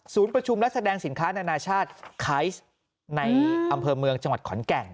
ประชุมและแสดงสินค้านานาชาติไคซ์ในอำเภอเมืองจังหวัดขอนแก่น